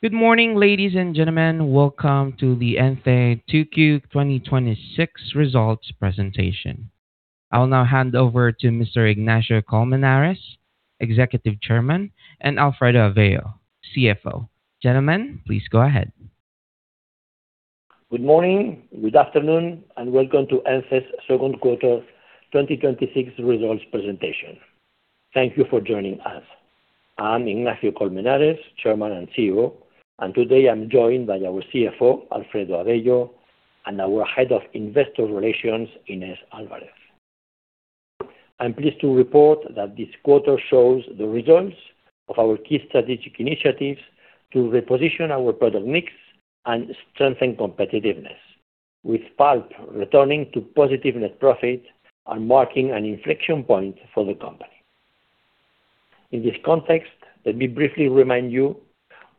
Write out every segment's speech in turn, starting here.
Good morning, ladies and gentlemen. Welcome to the Ence 2Q 2026 results presentation. I'll now hand over to Mr. Ignacio Colmenares, Executive Chairman, and Alfredo Avello, CFO. Gentlemen, please go ahead. Good morning, good afternoon, welcome to Ence's second quarter 2026 results presentation. Thank you for joining us. I'm Ignacio Colmenares, Chairman and CEO, today I'm joined by our CFO, Alfredo Avello, and our Head of Investor Relations, Inés Álvarez. I'm pleased to report that this quarter shows the results of our key strategic initiatives to reposition our product mix and strengthen competitiveness, with pulp returning to positive net profit and marking an inflection point for the company. In this context, let me briefly remind you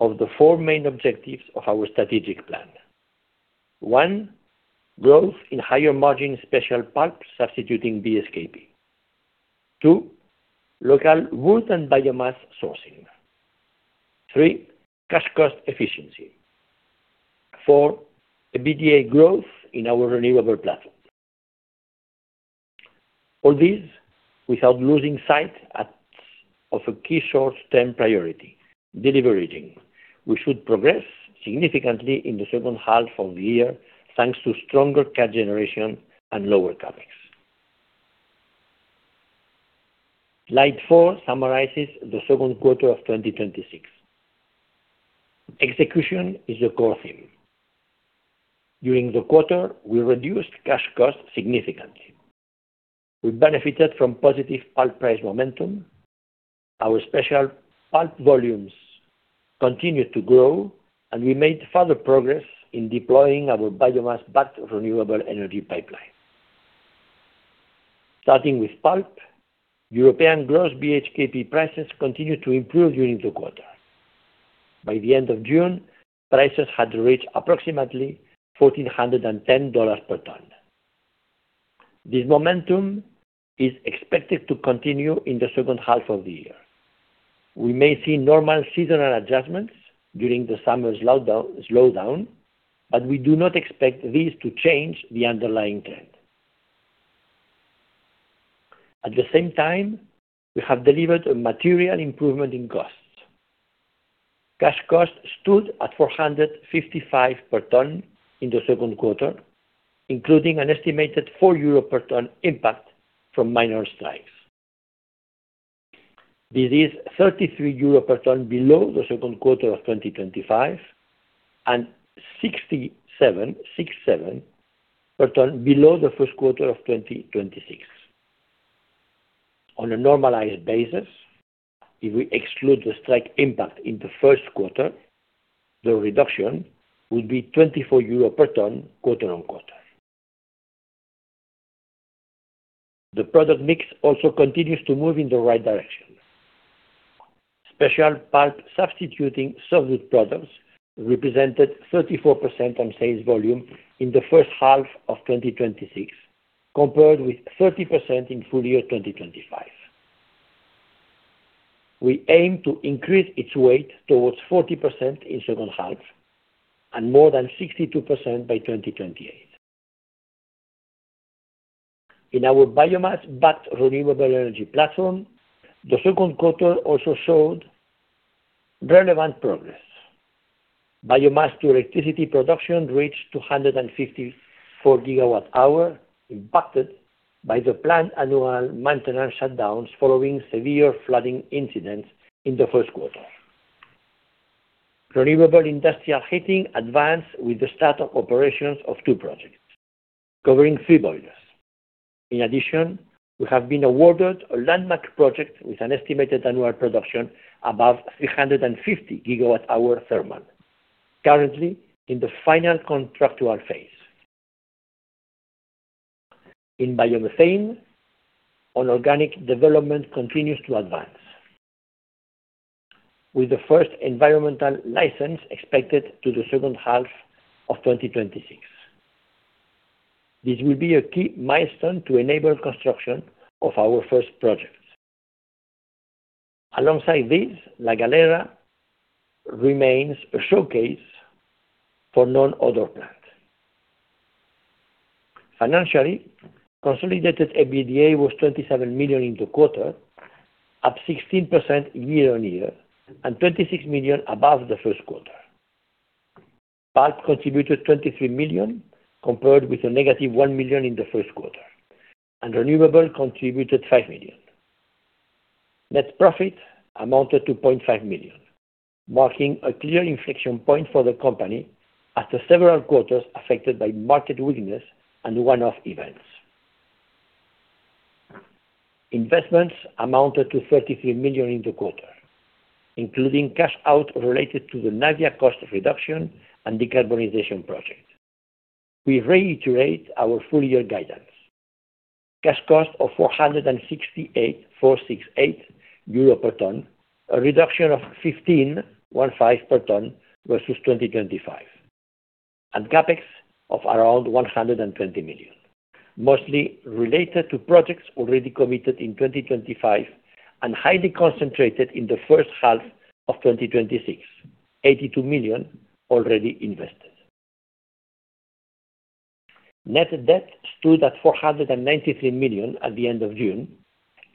of the four main objectives of our strategic plan. One, growth in higher margin special pulp substituting BHKP. Two, local wood and biomass sourcing. Three, cash cost efficiency. Four, EBITDA growth in our renewable platform. All this without losing sight of a key short-term priority, deleveraging. We should progress significantly in the second half of the year, thanks to stronger cash generation and lower CapEx. Slide four summarizes the second quarter of 2026. Execution is the core theme. During the quarter, we reduced cash costs significantly. We benefited from positive pulp price momentum. Our special pulp volumes continued to grow, and we made further progress in deploying our biomass-backed renewable energy pipeline. Starting with pulp, European gross BHKP prices continued to improve during the quarter. By the end of June, prices had reached approximately $1,410 per tonne. This momentum is expected to continue in the second half of the year. We may see normal seasonal adjustments during the summer slowdown, we do not expect this to change the underlying trend. At the same time, we have delivered a material improvement in costs. Cash costs stood at 455 per tonne in the second quarter, including an estimated 4 euro per tonne impact from minor strikes. This is 33 euro per tonne below the second quarter of 2025 and 67 per tonne below the first quarter of 2026. On a normalized basis, if we exclude the strike impact in the first quarter, the reduction would be 24 euro per tonne quarter-on-quarter. The product mix also continues to move in the right direction. Special pulp substituting softwood products represented 34% on sales volume in the first half of 2026, compared with 30% in full year 2025. We aim to increase its weight towards 40% in second half and more than 62% by 2028. In our biomass-backed renewable energy platform, the second quarter also showed relevant progress. Biomass to electricity production reached 254 GWh, impacted by the planned annual maintenance shutdowns following severe flooding incidents in the first quarter. Renewable industrial heating advanced with the start of operations of two projects, covering three boilers. In addition, we have been awarded a landmark project with an estimated annual production above 350 GWh thermal, currently in the final contractual phase. In biomethane, organic development continues to advance, with the first environmental license expected to the second half of 2026. This will be a key milestone to enable construction of our first project. Alongside this, La Galera remains a showcase for no-odor plant. Financially, consolidated EBITDA was 27 million in the quarter, up 16% year-on-year and 26 million above the first quarter. Pulp contributed 23 million, compared with a negative 1 million in the first quarter, and renewable contributed 5 million. Net profit amounted to 0.5 million, marking a clear inflection point for the company after several quarters affected by market weakness and one-off events. Investments amounted to 33 million in the quarter, including cash out related to the Navia cost reduction and decarbonization project. We reiterate our full year guidance. Cash cost of 468 euro per tonne, a reduction of 15 per tonne versus 2025. And CapEx of around 120 million, mostly related to projects already committed in 2025 and highly concentrated in the first half of 2026, 82 million already invested. Net debt stood at 493 million at the end of June,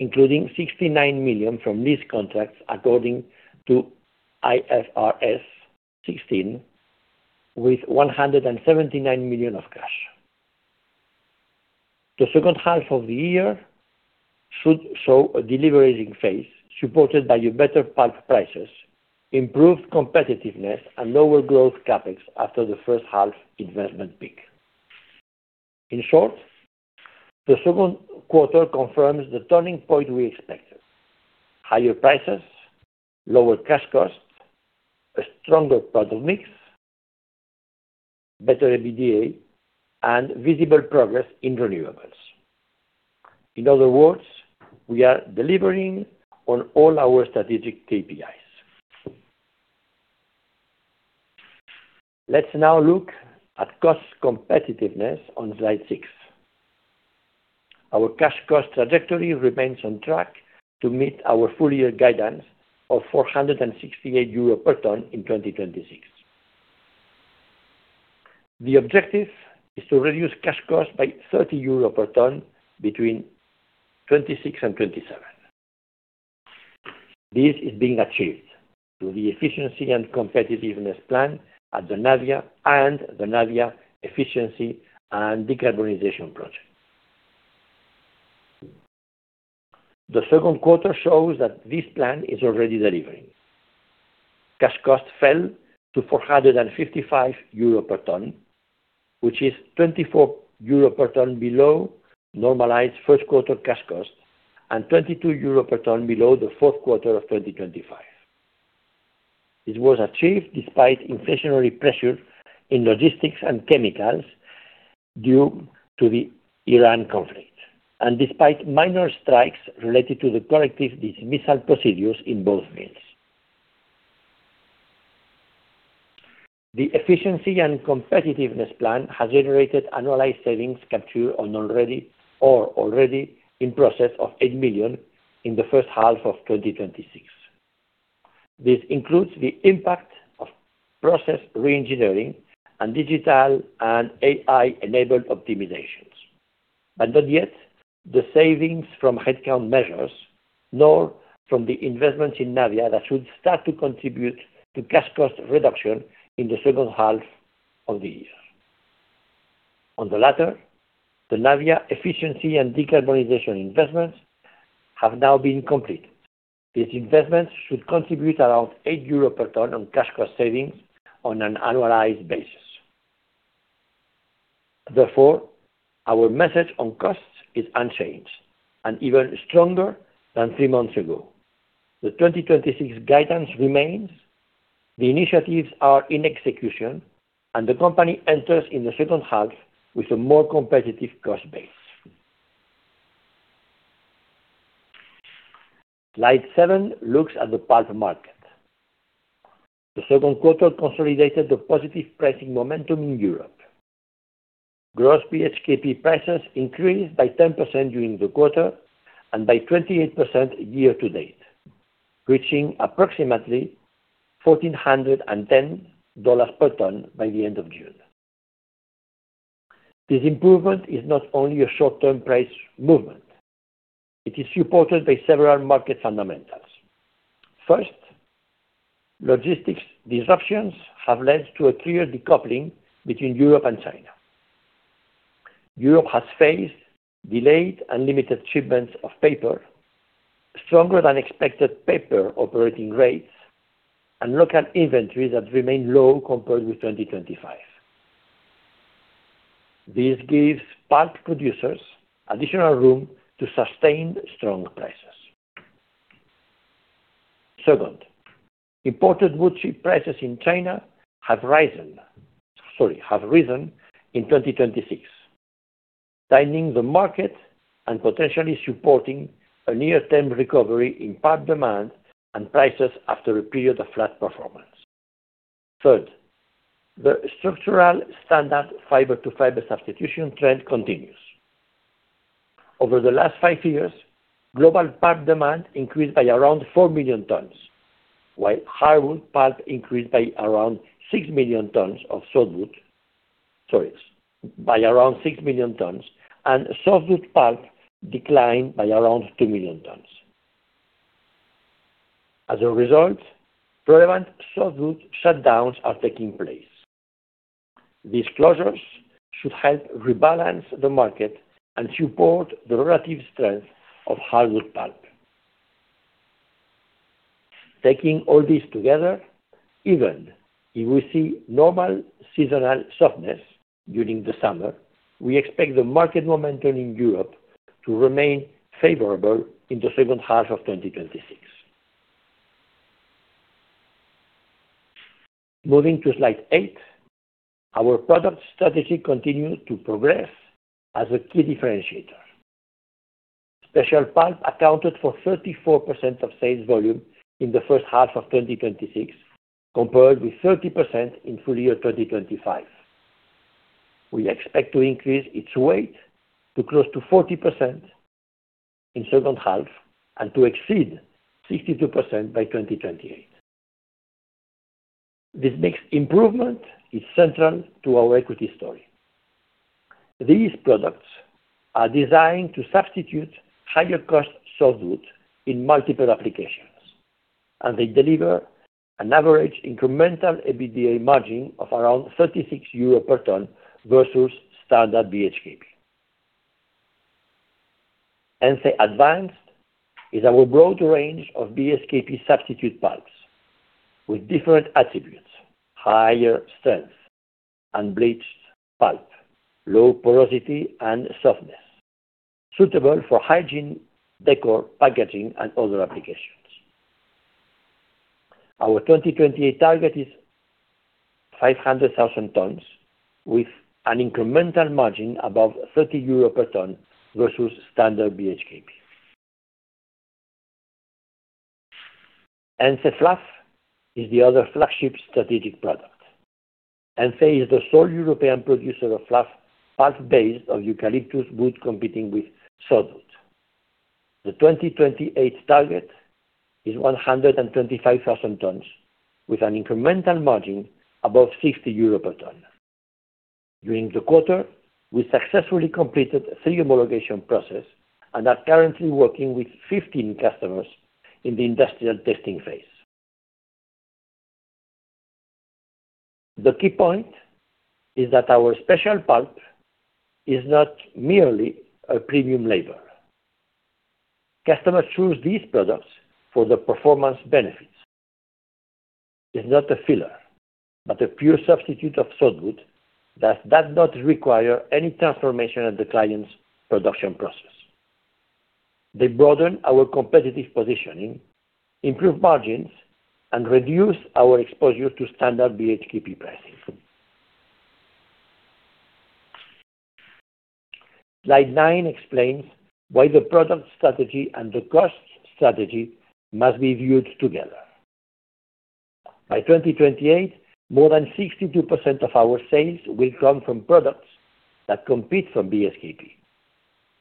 including 69 million from lease contracts, according to IFRS 16, with 179 million of cash. The second half of the year should show a de-leveraging phase supported by better pulp prices, improved competitiveness, and lower growth CapEx after the first-half investment peak. In short, the second quarter confirms the turning point we expected. Higher prices, lower cash costs, a stronger product mix, better EBITDA, and visible progress in renewables. In other words, we are delivering on all our strategic KPIs. Let's now look at cost competitiveness on slide six. Our cash cost trajectory remains on track to meet our full-year guidance of 468 euro per tonne in 2026. The objective is to reduce cash costs by 30 euros per tonne between 2026 and 2027. This is being achieved through the efficiency and competitiveness plan at the Navia and the Navia efficiency and decarbonization project. The second quarter shows that this plan is already delivering. Cash costs fell to 455 euro per tonne, which is 24 euro per tonne below normalized first quarter cash costs and 22 euro per tonne below the fourth quarter of 2025. It was achieved despite inflationary pressure in logistics and chemicals due to the Iran conflict, and despite minor strikes related to the corrective dismissal procedures in both mills. The efficiency and competitiveness plan has generated annualized savings captured or already in process of 8 million in the first half of 2026. This includes the impact of process re-engineering and digital and AI-enabled optimizations, but not yet the savings from headcount measures, nor from the investments in Navia that should start to contribute to cash cost reduction in the second half of the year. On the latter, the Navia efficiency and decarbonization investments have now been completed. These investments should contribute around 8 euro per tonne on cash cost savings on an annualized basis. Therefore, our message on costs is unchanged and even stronger than three months ago. The 2026 guidance remains, the initiatives are in execution, and the company enters in the second half with a more competitive cost base. Slide seven looks at the pulp market. The second quarter consolidated the positive pricing momentum in Europe. Gross BHKP prices increased by 10% during the quarter and by 28% year-to-date, reaching approximately $1,410 per tonne by the end of June. This improvement is not only a short-term price movement. It is supported by several market fundamentals. First, logistics disruptions have led to a clear decoupling between Europe and China. Europe has faced delayed unlimited shipments of paper, stronger-than-expected paper operating rates, and local inventories that remain low compared with 2025. This gives pulp producers additional room to sustain strong prices. Second, imported wood chip prices in China have risen, in 2026, tightening the market and potentially supporting a near-term recovery in pulp demand and prices after a period of flat performance. Third, the structural standard fiber-to-fiber substitution trend continues. Over the last five years, global pulp demand increased by around four million tonnes, while hardwood pulp increased by around six million tonnes, and softwood pulp declined by around two million tonnes. As a result, relevant softwood shutdowns are taking place. These closures should help rebalance the market and support the relative strength of hardwood pulp. Taking all this together, even if we see normal seasonal softness during the summer, we expect the market momentum in Europe to remain favorable in the second half of 2026. Moving to slide eight. Our product strategy continued to progress as a key differentiator. Special pulp accounted for 34% of sales volume in the first half of 2026, compared with 30% in full year 2025. We expect to increase its weight to close to 40% in second half and to exceed 62% by 2028. This mix improvement is central to our equity story. These products are designed to substitute higher cost softwood in multiple applications, and they deliver an average incremental EBITDA margin of around 36 euro per ton versus standard BHKP. Ence Advanced is our broad range of BHKP substitute pulps with different attributes, higher strength, unbleached pulp, low porosity, and softness, suitable for hygiene, decor, packaging, and other applications. Our 2028 target is 500,000 tons with an incremental margin above 30 euro per ton versus standard BHKP. Ence Fluff is the other flagship strategic product. Ence is the sole European producer of fluff pulp based on eucalyptus wood competing with softwood. The 2028 target is 125,000 tons with an incremental margin above 60 euro per ton. During the quarter, we successfully completed a three-homologation process and are currently working with 15 customers in the industrial testing phase. The key point is that our special pulp is not merely a premium label. Customers choose these products for the performance benefits. It's not a filler, but a pure substitute of softwood that does not require any transformation at the client's production process. They broaden our competitive positioning, improve margins, and reduce our exposure to standard BHKP pricing. Slide nine explains why the product strategy and the cost strategy must be viewed together. By 2028, more than 62% of our sales will come from products that compete from BHKP.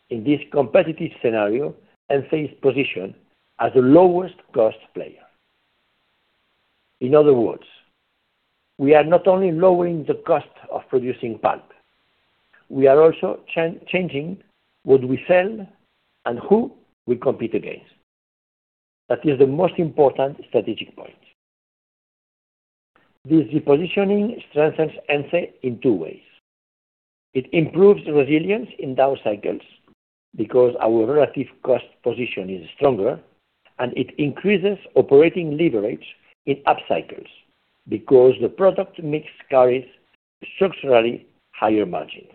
In this competitive scenario, Ence is positioned as the lowest cost player. In other words, we are not only lowering the cost of producing pulp, we are also changing what we sell and who we compete against. That is the most important strategic point. This repositioning strengthens Ence in two ways. It improves resilience in down cycles because our relative cost position is stronger, and it increases operating leverage in up cycles because the product mix carries structurally higher margins.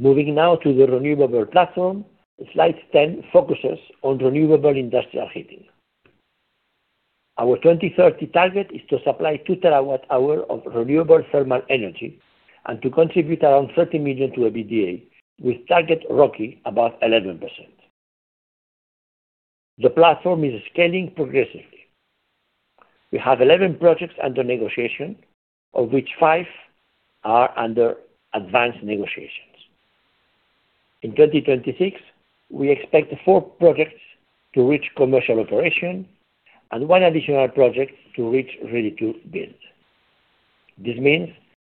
Moving now to the renewable platform. Slide 10 focuses on renewable industrial heating. Our 2030 target is to supply two TWh of renewable thermal energy and to contribute around 30 million to EBITDA, with target ROCE above 11%. The platform is scaling progressively. We have 11 projects under negotiation, of which five are under advanced negotiations. In 2026, we expect four projects to reach commercial operation and one additional project to reach ready to build. This means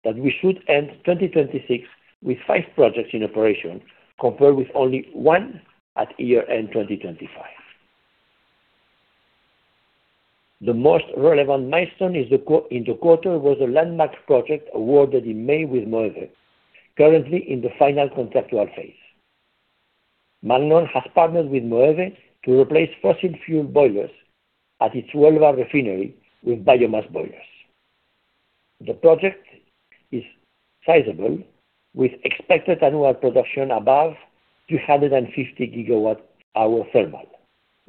that we should end 2026 with five projects in operation, compared with only one at year end 2025. The most relevant milestone in the quarter was a landmark project awarded in May with Moeve, currently in the final contractual phase. Magnon has partnered with Moeve to replace fossil fuel boilers at its Huelva refinery with biomass boilers. The project is sizable, with expected annual production above 350 GWh thermal,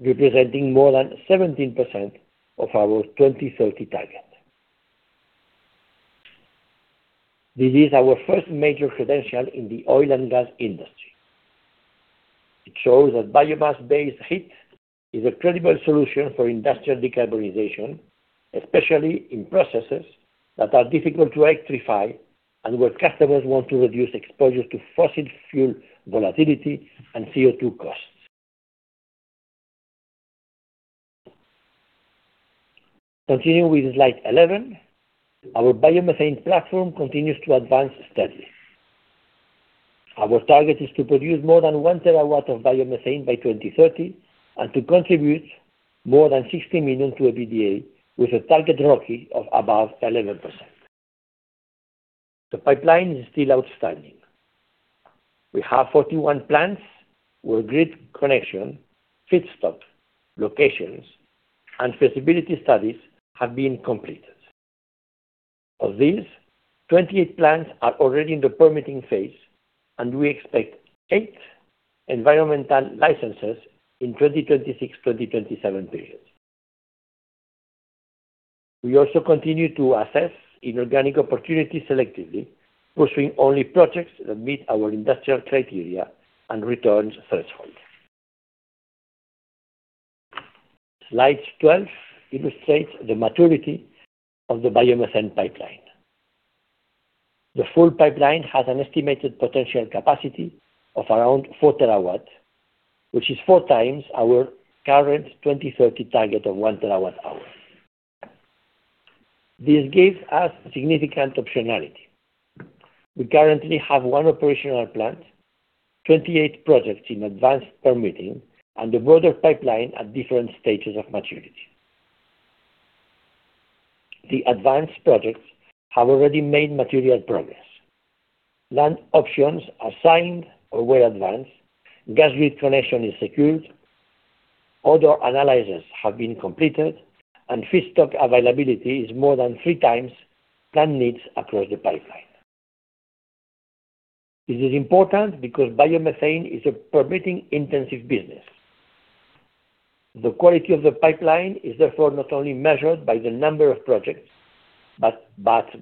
representing more than 17% of our 2030 target. This is our first major credential in the oil and gas industry. It shows that biomass-based heat is a credible solution for industrial decarbonization, especially in processes that are difficult to electrify and where customers want to reduce exposure to fossil fuel volatility and CO2 costs. Continuing with Slide 11. Our biomethane platform continues to advance steadily. Our target is to produce more than one terawatt of biomethane by 2030 and to contribute more than 60 million to EBITDA, with a target ROCE of above 11%. The pipeline is still outstanding. We have 41 plants where grid connection, feedstock, locations, and feasibility studies have been completed. Of these, 28 plants are already in the permitting phase, and we expect eight environmental licenses in 2026, 2027 period. We also continue to assess inorganic opportunities selectively, pursuing only projects that meet our industrial criteria and returns threshold. Slide 12 illustrates the maturity of the biomethane pipeline. The full pipeline has an estimated potential capacity of around 4 TW, which is four times our current 2030 target of 1 TWh. This gives us significant optionality. We currently have one operational plant, 28 projects in advanced permitting, and a broader pipeline at different stages of maturity. The advanced projects have already made material progress. Land options are signed or well advanced. Gas grid connection is secured. Other analyses have been completed, and feedstock availability is more than three times planned needs across the pipeline. This is important because biomethane is a permitting-intensive business. The quality of the pipeline is therefore not only measured by the number of projects, but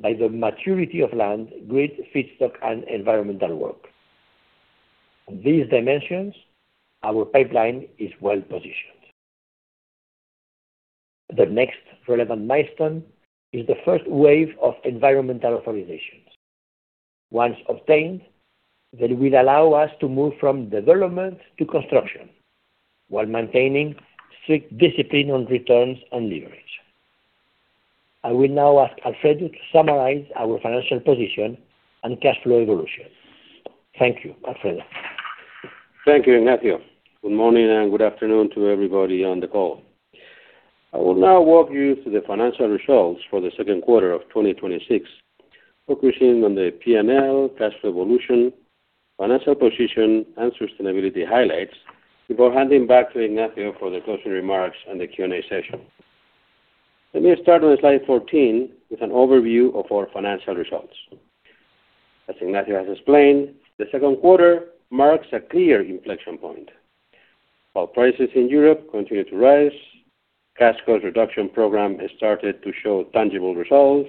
by the maturity of land, grid feedstock, and environmental work. On these dimensions, our pipeline is well-positioned. The next relevant milestone is the first wave of environmental authorizations. Once obtained, they will allow us to move from development to construction while maintaining strict discipline on returns and leverage. I will now ask Alfredo to summarize our financial position and cash flow evolution. Thank you. Alfredo. Thank you, Ignacio. Good morning and good afternoon to everybody on the call. I will now walk you through the financial results for the second quarter of 2026, focusing on the P&L, cash flow evolution, financial position, and sustainability highlights before handing back to Ignacio for the closing remarks and the Q&A session. Let me start on slide 14 with an overview of our financial results. As Ignacio has explained, the second quarter marks a clear inflection point. While prices in Europe continue to rise, cash cost reduction program has started to show tangible results,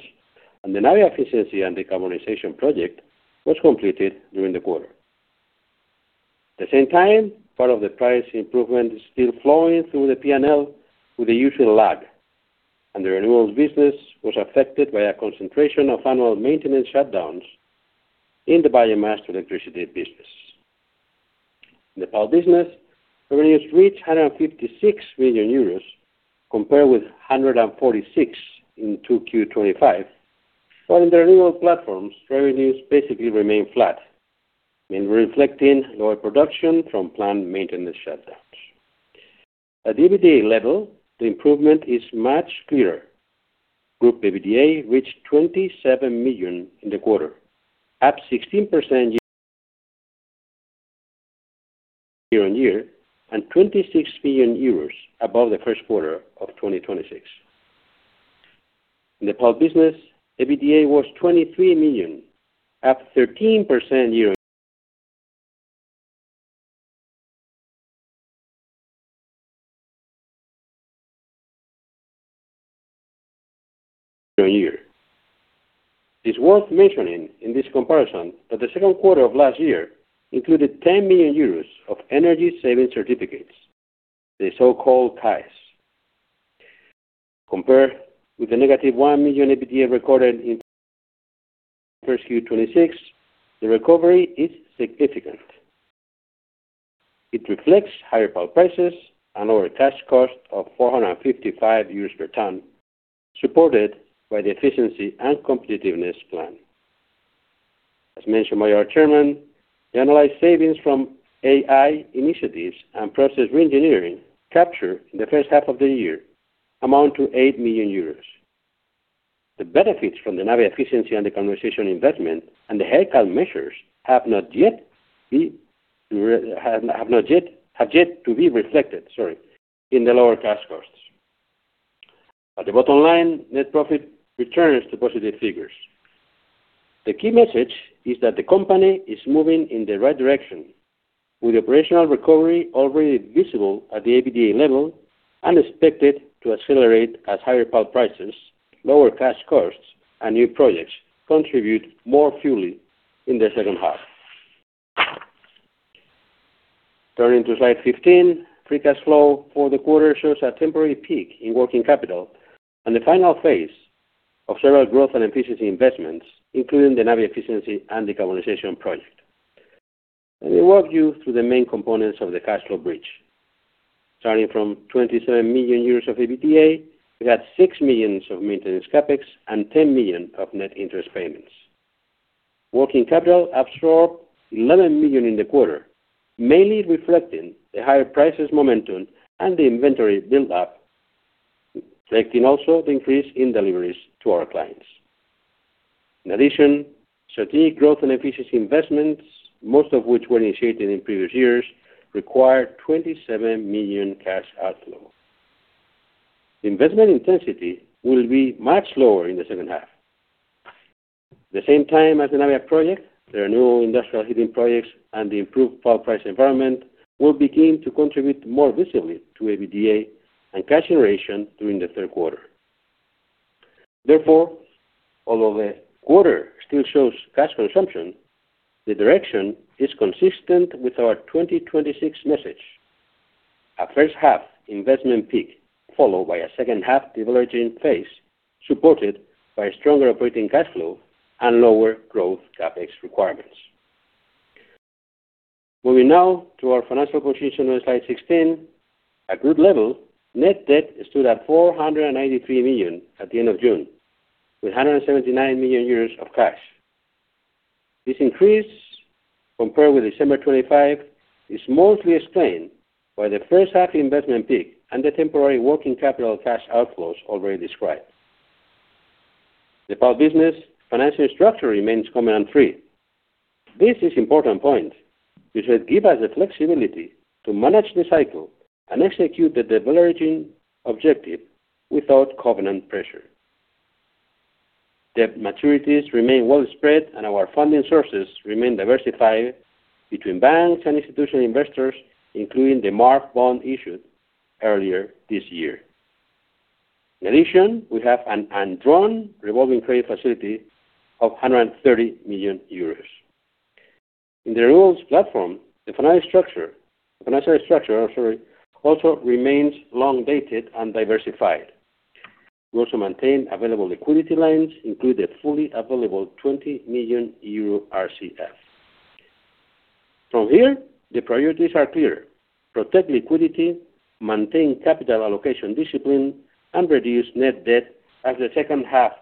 and the Navia efficiency and decarbonization project was completed during the quarter. At the same time, part of the price improvement is still flowing through the P&L with the usual lag, and the renewables business was affected by a concentration of annual maintenance shutdowns in the biomass electricity business. In the pulp business, revenues reached 156 million euros, compared with 146 million in 2Q 2025. While in the renewables platforms, revenues basically remain flat, mainly reflecting lower production from plant maintenance shutdowns. At EBITDA level, the improvement is much clearer. Group EBITDA reached 27 million in the quarter, up 16% year-on-year, and 26 million euros above the first quarter of 2026. In the pulp business, EBITDA was EUR 23 million, up 13% year-on-year. It is worth mentioning in this comparison that the second quarter of last year included 10 million euros of energy savings certificates, the so-called CAEs. Compared with the -1 million EBITDA recorded in Q1 2026, the recovery is significant. It reflects higher pulp prices and lower cash cost of 455 euros per ton, supported by the efficiency and competitiveness plan. As mentioned by our Chairman, the analyzed savings from AI initiatives and process reengineering captured in the first half of the year amount to 8 million euros. The benefits from the Navia efficiency and the decarbonization investment and the headcount measures have yet to be reflected in the lower cash costs. At the bottom line, net profit returns to positive figures. The key message is that the company is moving in the right direction, with operational recovery already visible at the EBITDA level and expected to accelerate as higher pulp prices, lower cash costs, and new projects contribute more fully in the second half. Turning to slide 15, free cash flow for the quarter shows a temporary peak in working capital and the final phase of several growth and efficiency investments, including the Navia efficiency and decarbonization project. Let me walk you through the main components of the cash flow bridge. Starting from 27 million euros of EBITDA, we had 6 million of maintenance CapEx and 10 million of net interest payments. Working capital absorbed 11 million in the quarter, mainly reflecting the higher prices momentum and the inventory build-up, reflecting also the increase in deliveries to our clients. In addition, strategic growth and efficiency investments, most of which were initiated in previous years, required 27 million cash outflow. Investment intensity will be much lower in the second half. At the same time as the Navia project, the renewable industrial heating projects and the improved pulp price environment will begin to contribute more visibly to EBITDA and cash generation during the third quarter. Therefore, although the quarter still shows cash consumption, the direction is consistent with our 2026 message. A first-half investment peak, followed by a second-half de-leveraging phase, supported by stronger operating cash flow and lower growth CapEx requirements. Moving now to our financial position on slide 16. At group level, net debt stood at 493 million at the end of June, with 179 million euros of cash. This increase, compared with December 2025, is mostly explained by the first half investment peak and the temporary working capital cash outflows already described. The pulp business financing structure remains covenant-free. This is important point, which will give us the flexibility to manage the cycle and execute the de-leveraging objective without covenant pressure. Debt maturities remain well-spread, and our funding sources remain diversified between banks and institutional investors, including the MARF bond issued earlier this year. In addition, we have an undrawn revolving credit facility of 130 million euros. In the renewables platform, the financial structure also remains long-dated and diversified. We also maintain available liquidity lines, including fully available 20 million euro RCF. From here, the priorities are clear. Protect liquidity, maintain capital allocation discipline, and reduce net debt as the second half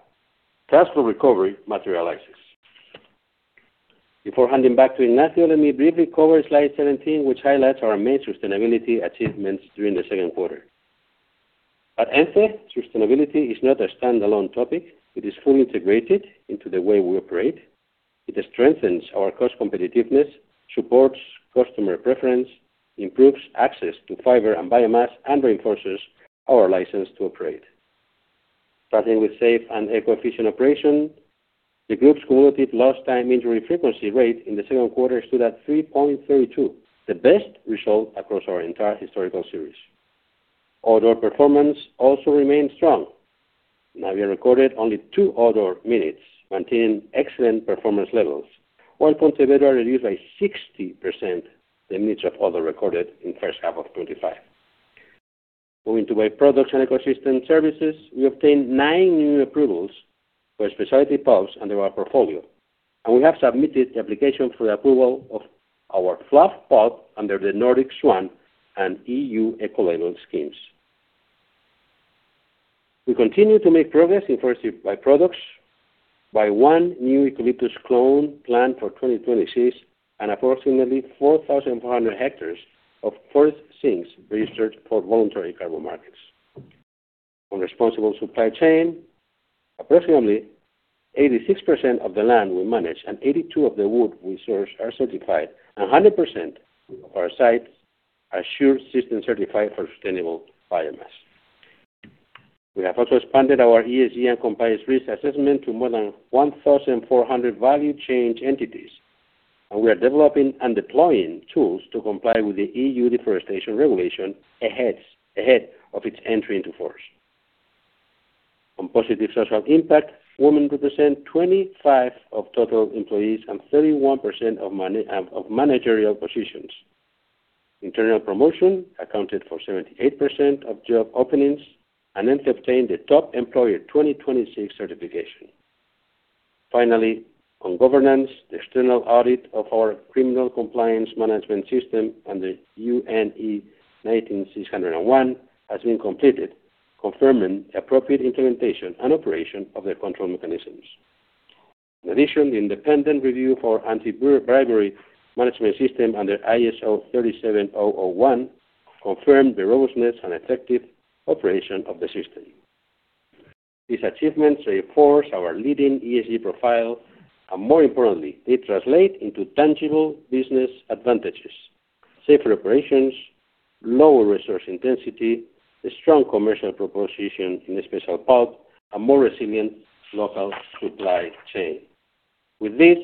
cash flow recovery materializes. Before handing back to Ignacio, let me briefly cover slide 17, which highlights our main sustainability achievements during the second quarter. At Ence, sustainability is not a standalone topic. It is fully integrated into the way we operate. It strengthens our cost competitiveness, supports customer preference, improves access to fiber and biomass, and reinforces our license to operate. Starting with safe and eco-efficient operation, the group's cumulative lost time injury frequency rate in the second quarter stood at 3.32, the best result across our entire historical series. Other performance also remained strong. Navia recorded only two other minutes, maintaining excellent performance levels, while Pontevedra reduced by 60% the minutes of other recorded in first half of 2025. Moving to byproducts and ecosystem services, we obtained nine new approvals for specialty pulps under our portfolio, and we have submitted the application for the approval of our fluff pulp under the Nordic Swan and EU eco-labeling schemes. We continue to make progress in forestry byproducts by one new eucalyptus clone planned for 2026 and approximately 4,400 hectares of forest sinks registered for voluntary carbon markets. On responsible supply chain, approximately 86% of the land we manage and 82% of the wood we source are certified, and 100% of our sites are assured system certified for sustainable biomass. We have also expanded our ESG and compliance risk assessment to more than 1,400 value change entities, and we are developing and deploying tools to comply with the EU deforestation regulation ahead of its entry into force. On positive social impact, women represent 25% of total employees and 31% of managerial positions. Internal promotion accounted for 78% of job openings, and Ence obtained the Top Employer 2026 certification. Finally, on governance, the external audit of our criminal compliance management system and the UNE 19601 has been completed, confirming appropriate implementation and operation of the control mechanisms. In addition, the independent review for anti-bribery management system under ISO 37001 confirmed the robustness and effective operation of the system. These achievements reinforce our leading ESG profile, and more importantly, they translate into tangible business advantages. Safer operations, lower resource intensity, a strong commercial proposition in the special pulp, a more resilient local supply chain. With this,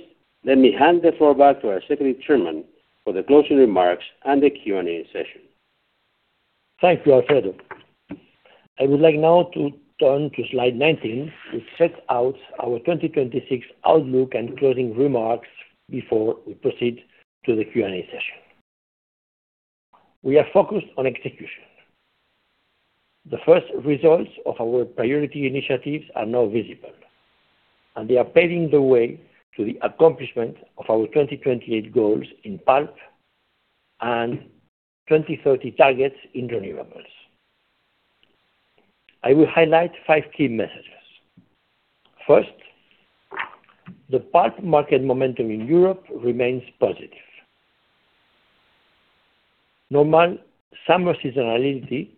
let me hand the floor back to our Executive Chairman for the closing remarks and the Q&A session. Thank you, Alfredo. I would like now to turn to slide 19, which sets out our 2026 outlook and closing remarks before we proceed to the Q&A session. We are focused on execution. The first results of our priority initiatives are now visible, and they are paving the way to the accomplishment of our 2028 goals in pulp and 2030 targets in renewables. I will highlight five key messages. First, the pulp market momentum in Europe remains positive. Normal summer seasonality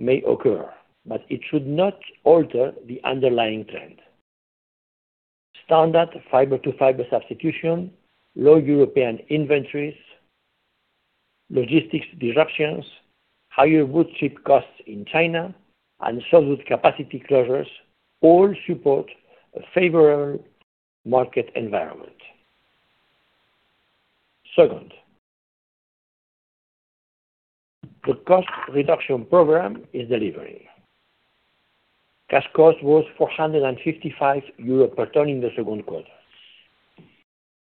may occur, but it should not alter the underlying trend. Standard fiber to fiber substitution, low European inventories, logistics disruptions, higher woodchip costs in China, and solid capacity closures all support a favorable market environment. Second, the cost reduction program is delivering. Cash cost was 455 euro per ton in the second quarter.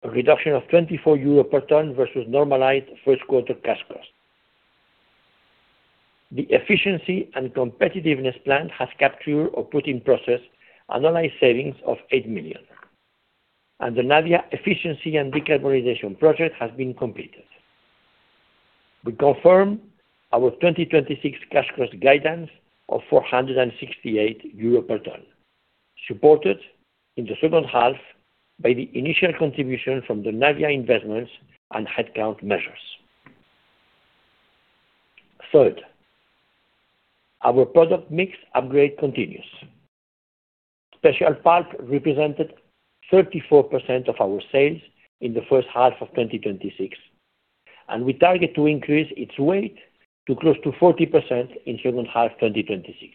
A reduction of 24 euro per ton versus normalized first quarter cash cost. The efficiency and competitiveness plan has captured or put in process annualized savings of 8 million. The Navia efficiency and decarbonization project has been completed. We confirm our 2026 cash cost guidance of 468 euro per ton, supported in the second half by the initial contribution from the Navia investments and headcount measures. Third, our product mix upgrade continues. Special pulp represented 34% of our sales in the first half of 2026, and we target to increase its weight to close to 40% in second half 2026.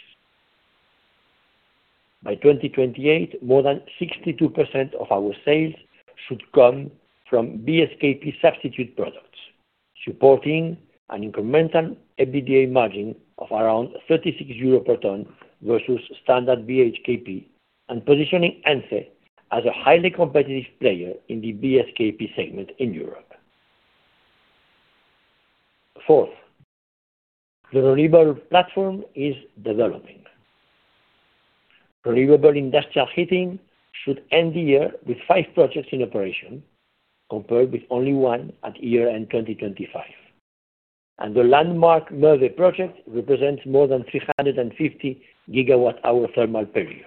By 2028, more than 62% of our sales should come from BSKP substitute products, supporting an incremental EBITDA margin of around 36 euro per ton versus standard BHKP and positioning Ence as a highly competitive player in the BSKP segment in Europe. Fourth, the renewable platform is developing. Renewable industrial heating should end the year with five projects in operation, compared with only one at year-end 2025. The landmark Moeve project represents more than 350 GWh thermal per year.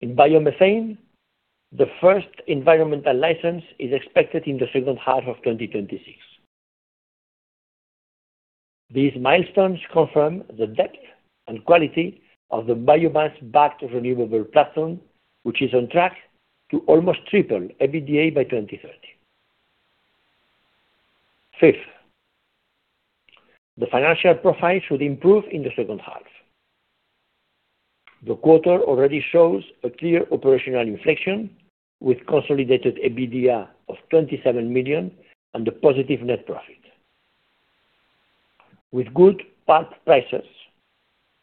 In biomethane, the first environmental license is expected in the second half of 2026. These milestones confirm the depth and quality of the biomass-backed renewable platform, which is on track to almost triple EBITDA by 2030. Fifth, the financial profile should improve in the second half. The quarter already shows a clear operational inflection, with consolidated EBITDA of 27 million and a positive net profit. With good pulp prices,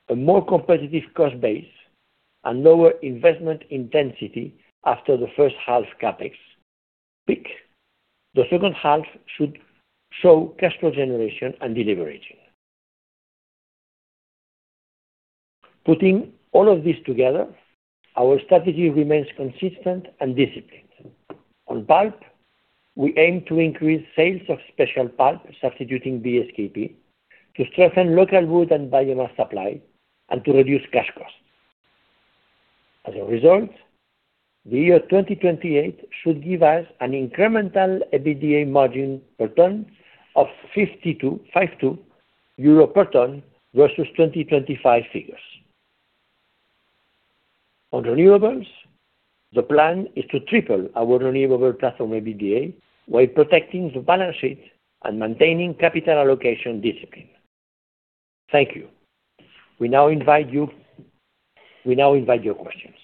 a more competitive cost base, and lower investment intensity after the first half CapEx peak, the second half should show cash flow generation and de-leveraging. Putting all of this together, our strategy remains consistent and disciplined. On pulp, we aim to increase sales of special pulp substituting BSKP, to strengthen local wood and biomass supply, and to reduce cash costs. As a result, the year 2028 should give us an incremental EBITDA margin per ton of 52 euro per ton versus 2025 figures. On renewables, the plan is to triple our renewable platform EBITDA while protecting the balance sheet and maintaining capital allocation discipline. Thank you. We now invite your questions.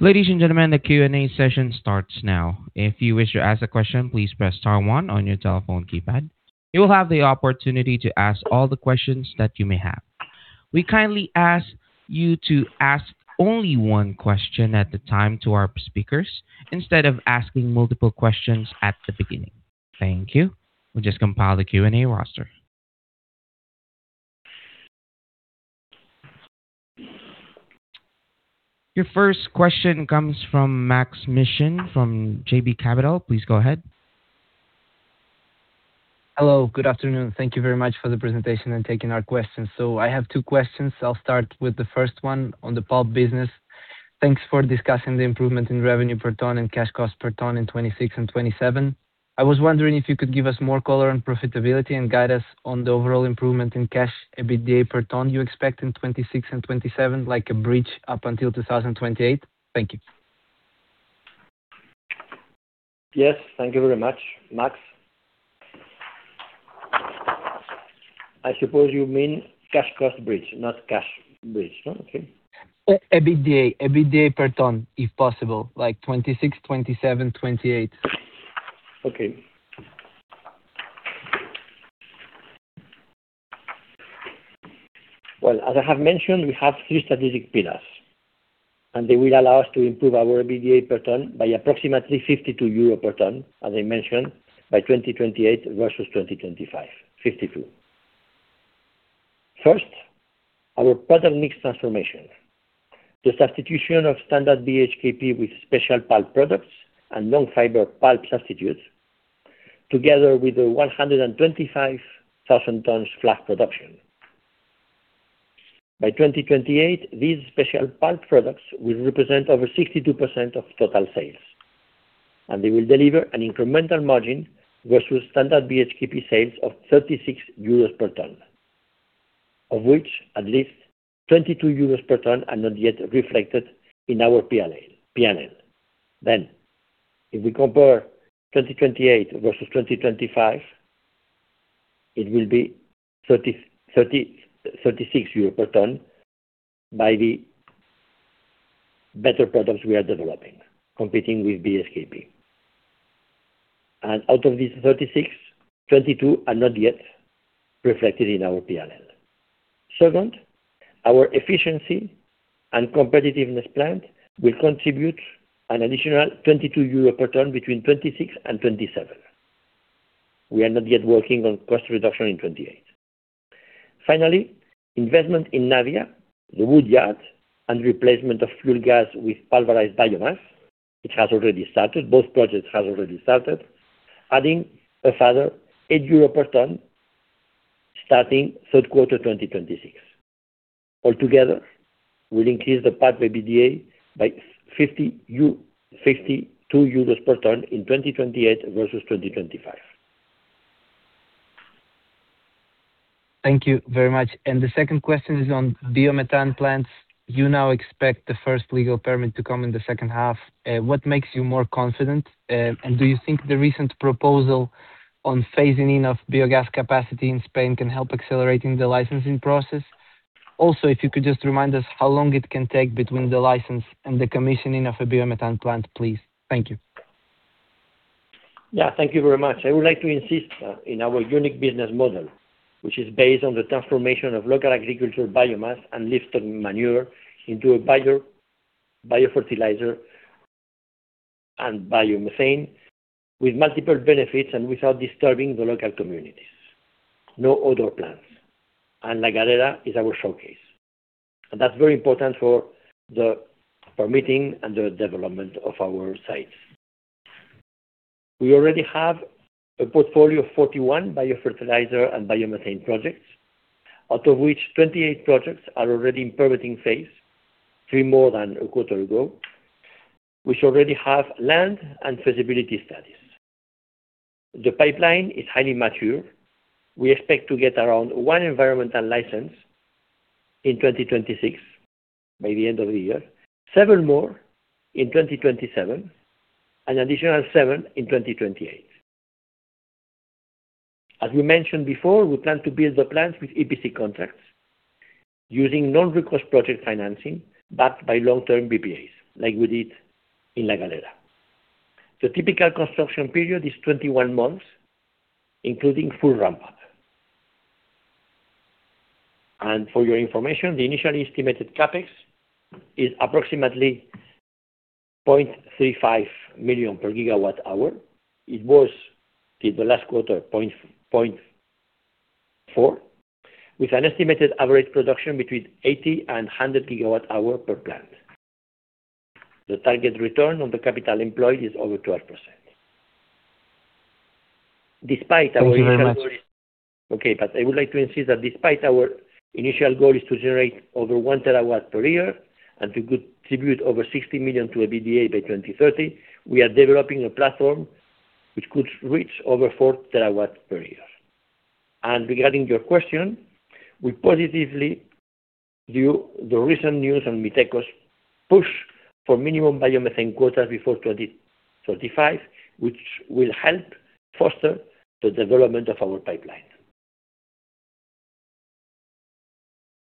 Ladies and gentlemen, the Q&A session starts now. If you wish to ask a question, please press star one on your telephone keypad. You will have the opportunity to ask all the questions that you may have. We kindly ask you to ask only one question at a time to our speakers, instead of asking multiple questions at the beginning. Thank you. We'll just compile the Q&A roster. Your first question comes from Maks Mishyn from JB Capital. Please go ahead. Hello. Good afternoon. Thank you very much for the presentation and taking our questions. I have two questions. I'll start with the first one on the pulp business. Thanks for discussing the improvement in revenue per ton and cash cost per ton in 2026 and 2027. I was wondering if you could give us more color on profitability and guide us on the overall improvement in cash EBITDA per ton you expect in 2026 and 2027, like a bridge up until 2028. Thank you. Yes. Thank you very much, Maks. I suppose you mean cash cost bridge, not cash bridge. Okay. EBITDA per ton, if possible, like 2026, 2027, 2028. Okay. Well, as I have mentioned, we have three strategic pillars, and they will allow us to improve our EBITDA per ton by approximately 52 euro per ton, as I mentioned, by 2028 versus 2025. 52. First, our product mix transformation. The substitution of standard BHKP with special pulp products and long fiber pulp substitutes, together with the 125,000 tons fluff production. By 2028, these special pulp products will represent over 62% of total sales, and they will deliver an incremental margin versus standard BHKP sales of 36 euros per ton. Of which at least 22 euros per ton are not yet reflected in our P&L. If we compare 2028 versus 2025, it will be 36 euro per ton by the better products we are developing, competing with BSKP. Out of these 36, 22 are not yet reflected in our P&L. Second, our efficiency and competitiveness plant will contribute an additional 22 euro per ton between 2026 and 2027. We are not yet working on cost reduction in 2028. Finally, investment in Navia, the wood yard, and replacement of fuel gas with pulverized biomass, both projects have already started, adding a further 8 euro per ton starting third quarter 2026. Altogether, will increase the pathway EBITDA by 52 euros per ton in 2028 versus 2025. Thank you very much. The second question is on biomethane plants. You now expect the first legal permit to come in the second half. What makes you more confident? Do you think the recent proposal on phasing in of biogas capacity in Spain can help accelerating the licensing process? If you could just remind us how long it can take between the license and the commissioning of a biomethane plant, please. Thank you. Yeah. Thank you very much. I would like to insist in our unique business model, which is based on the transformation of local agricultural biomass and livestock manure into a biofertilizer and biomethane with multiple benefits and without disturbing the local communities. No-odor plants. La Galera is our showcase. That's very important for the permitting and the development of our sites. We already have a portfolio of 41 biofertilizer and biomethane projects, out of which 28 projects are already in permitting phase, three more than a quarter ago, which already have land and feasibility studies. The pipeline is highly mature. We expect to get around one environmental license in 2026, by the end of the year, seven more in 2027, an additional seven in 2028. As we mentioned before, we plan to build the plants with EPC contracts using non-recourse project financing backed by long-term PPAs, like we did in La Galera. The typical construction period is 21 months, including full ramp-up. For your information, the initially estimated CapEx is approximately 0.35 million per gigawatt hour. It was, in the last quarter, 0.4 million, with an estimated average production between 80 GWh and 100 GWh per plant. The target return on the capital employed is over 12%. Thank you very much I would like to insist that despite our initial goal is to generate over 1 TW per year and to contribute over 60 million to EBITDA by 2030, we are developing a platform which could reach over 4 TW per year. Regarding your question, we positively view the recent news on MITECO's push for minimum biomethane quotas before 2035, which will help foster the development of our pipeline.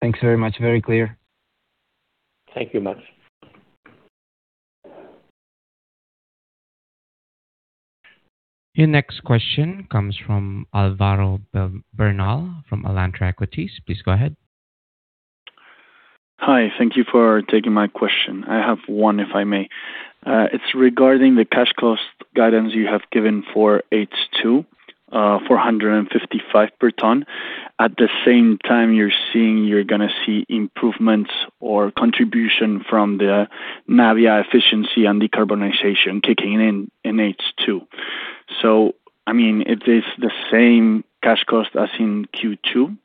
Thanks very much. Very clear. Thank you much. Your next question comes from Álvaro Bernal from Alantra Equities. Please go ahead. Hi. Thank you for taking my question. I have one, if I may. It is regarding the cash cost guidance you have given for H2, 455 per ton. At the same time, you are going to see improvements or contribution from the Navia efficiency and decarbonization kicking in in H2. It is the same cash cost as in Q2,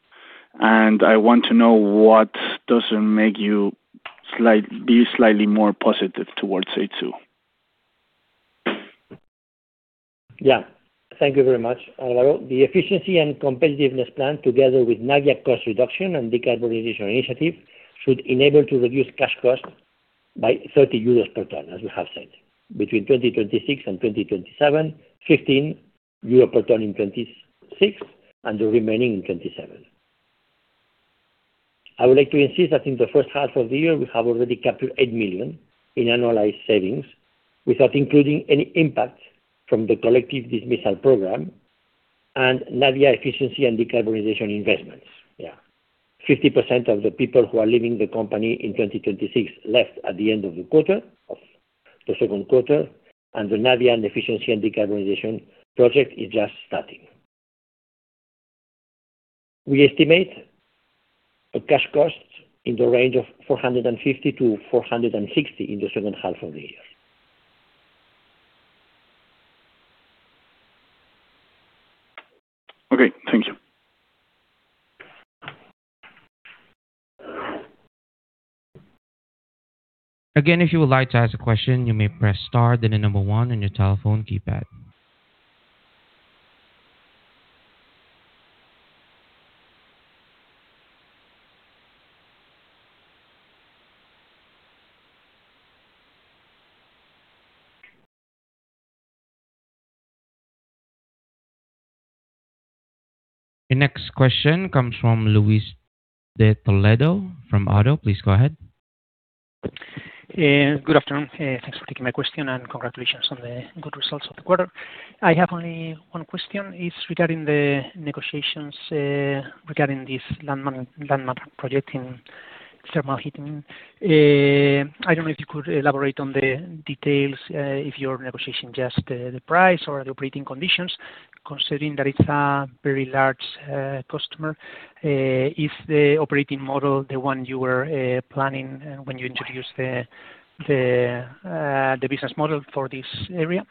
and I want to know what doesn't make you be slightly more positive towards H2? Yeah. Thank you very much, Álvaro. The efficiency and competitiveness plan, together with Navia cost reduction and decarbonization initiative, should enable to reduce cash costs by 30 euros per ton, as we have said, between 2026 and 2027, 15 euros per ton in 2026, and the remaining in 2027. I would like to insist that in the first half of the year, we have already captured 8 million in annualized savings, without including any impact from the collective dismissal program and Navia efficiency and decarbonization investments. Yeah. 50% of the people who are leaving the company in 2026 left at the end of the second quarter, and the Navia efficiency and decarbonization project is just starting. We estimate a cash cost in the range of 450-460 in the second half of the year. Okay. Thank you. Again, if you would like to ask a question, you may press star, then the number one on your telephone keypad. The next question comes from Luis de Toledo from ODDO. Please go ahead. Good afternoon. Thanks for taking my question, and congratulations on the good results of the quarter. I have only one question. It's regarding the negotiations regarding this landmark project in thermal heating. I don't know if you could elaborate on the details, if you're negotiating just the price or the operating conditions, considering that it's a very large customer. Is the operating model the one you were planning when you introduced the business model for this area?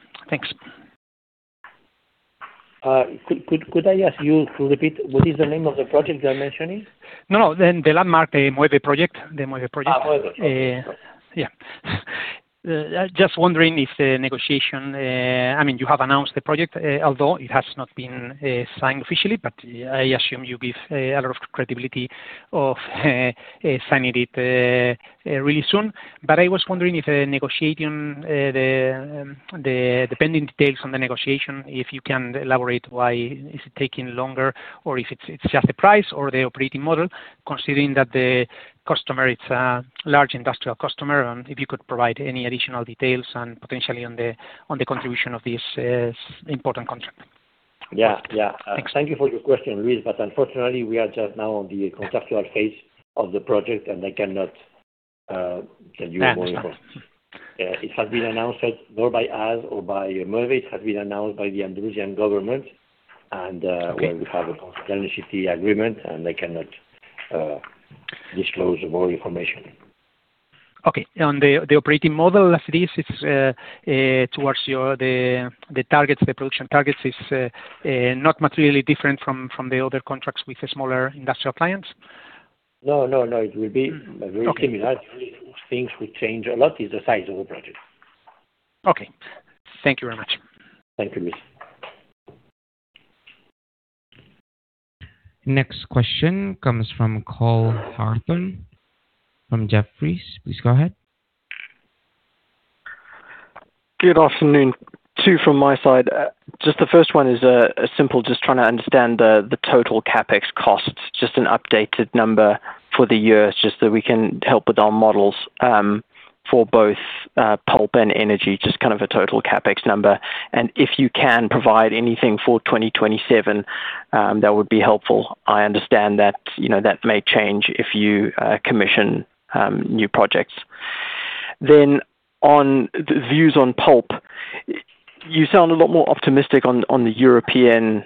Thanks. Could I ask you to repeat what is the name of the project you're mentioning? No, the landmark Moeve project. The Moeve project. Moeve project. Yeah. You have announced the project, although it has not been signed officially, but I assume you give a lot of credibility of signing it really soon. I was wondering if, depending on details on the negotiation, if you can elaborate why is it taking longer, or if it's just the price or the operating model, considering that the customer, it's a large industrial customer, and if you could provide any additional details and potentially on the contribution of this important contract. Yeah. Thanks. Thank you for your question, Luis. Unfortunately, we are just now on the conceptual phase of the project, and I cannot give you more information. Understood. It has been announced, not by us or by Moeve, it has been announced by the Andalusian government. Okay. Where we have a confidentiality agreement, and I cannot disclose more information. Okay. On the operating model as it is, it's towards the targets, the production targets, is not materially different from the other contracts with the smaller industrial clients? No, no. It will be very similar. Okay. Things we change a lot is the size of the project. Okay. Thank you very much. Thank you, Luis. Next question comes from Cole Hathorn from Jefferies. Please go ahead. Good afternoon. Two from my side. Just the first one is simple, just trying to understand the total CapEx costs. Just an updated number for the year, just so we can help with our models, for both pulp and energy, just kind of a total CapEx number. If you can provide anything for 2027, that would be helpful. I understand that may change if you commission new projects. On views on pulp. You sound a lot more optimistic on the European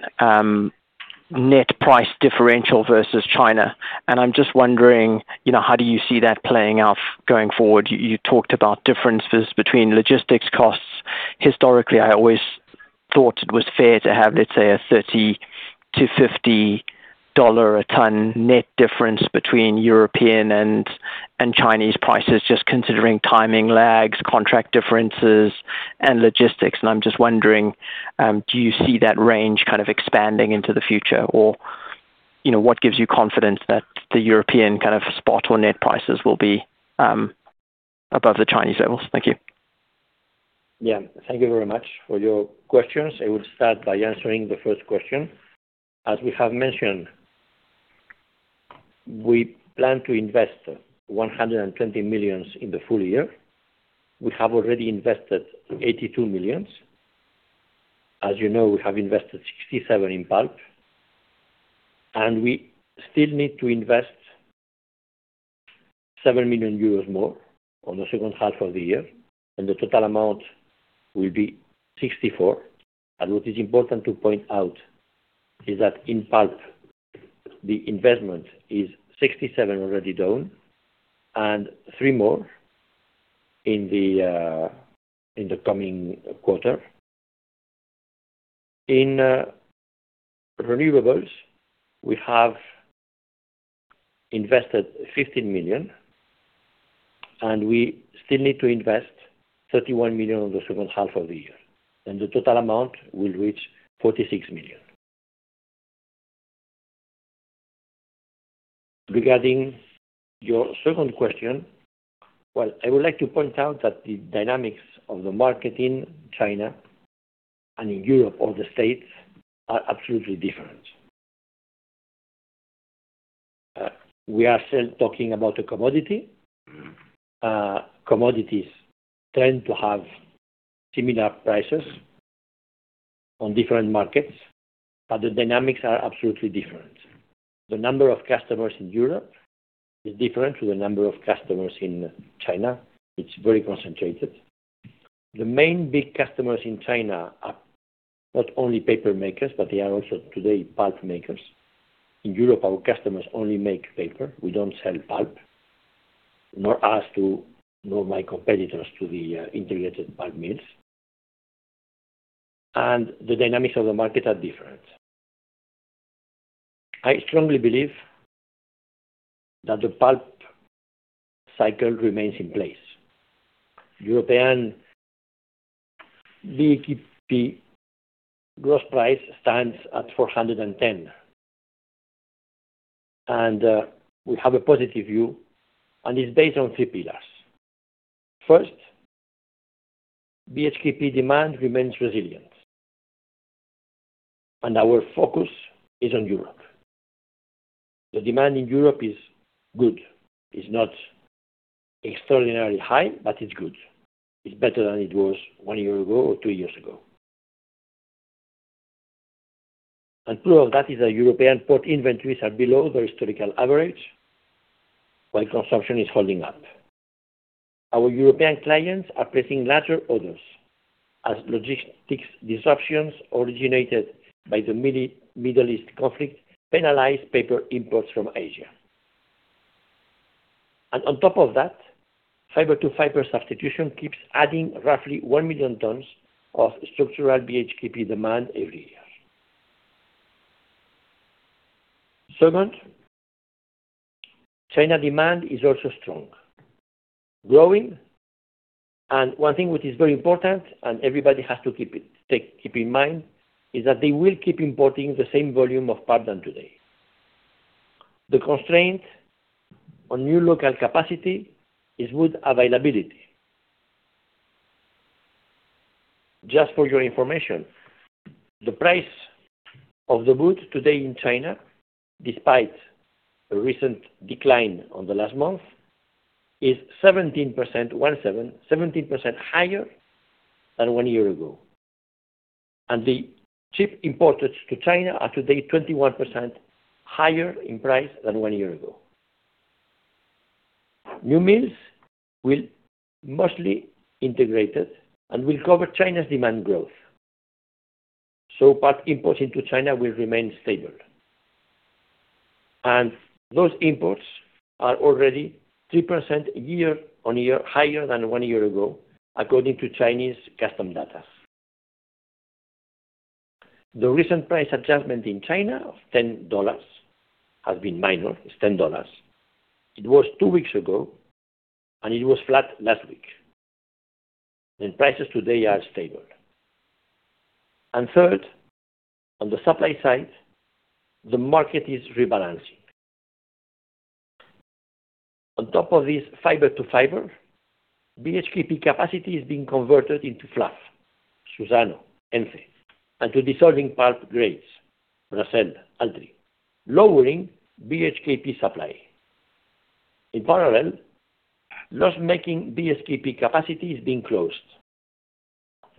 net price differential versus China, and I am just wondering, how do you see that playing out going forward? You talked about differences between logistics costs. Historically, I always thought it was fair to have, let's say, a $30 to $50 a ton net difference between European and Chinese prices, just considering timing lags, contract differences, and logistics. I am just wondering, do you see that range kind of expanding into the future? What gives you confidence that the European spot or net prices will be above the Chinese levels? Thank you. Yeah. Thank you very much for your questions. I will start by answering the first question. As we have mentioned, we plan to invest 120 million in the full year. We have already invested 82 million. As you know, we have invested 67 in pulp. We still need to invest 7 million euros more on the second half of the year, and the total amount will be 64 million. What is important to point out is that in pulp, the investment is 67 already done, 3 million more in the coming quarter. In renewables, we have invested 15 million. We still need to invest 31 million on the second half of the year. The total amount will reach 46 million. Regarding your second question, well, I would like to point out that the dynamics of the market in China and in Europe or the States are absolutely different. We are still talking about a commodity. Commodities tend to have similar prices on different markets, but the dynamics are absolutely different. The number of customers in Europe is different to the number of customers in China. It's very concentrated. The main big customers in China are not only paper makers, but they are also, today, pulp makers. In Europe, our customers only make paper. We don't sell pulp. Nor us to nor my competitors to the integrated pulp mills. The dynamics of the market are different. I strongly believe that the pulp cycle remains in place. European BHKP gross price stands at 410. We have a positive view, and it's based on three pillars. First, BHKP demand remains resilient, and our focus is on Europe. The demand in Europe is good. It's not extraordinarily high, but it's good. It's better than it was one year ago or two years ago. Proof of that is that European port inventories are below their historical average while consumption is holding up. Our European clients are placing larger orders as logistics disruptions originated by the Middle East conflict penalize paper imports from Asia. On top of that, fiber-to-fiber substitution keeps adding roughly 1 million tons of structural BHKP demand every year. Second, China demand is also strong, growing, and one thing which is very important and everybody has to keep in mind, is that they will keep importing the same volume of pulp than today. The constraint on new local capacity is wood availability. Just for your information, the price of the wood today in China, despite a recent decline on the last month, is 17% higher than one year ago. The chip imports to China are today 21% higher in price than one year ago. New mills will mostly integrated and will cover China's demand growth. Pulp imports into China will remain stable. Those imports are already 3% year-on-year higher than one year ago, according to Chinese custom data. The recent price adjustment in China of $10 has been minor. It's $10. It was two weeks ago, and it was flat last week, and prices today are stable. Third, on the supply side, the market is rebalancing. On top of this fiber-to-fiber, BHKP capacity is being converted into fluff, Suzano, Ence, and to dissolving pulp grades, Bracell, Altri, lowering BHKP supply. In parallel, loss-making BHKP capacity is being closed.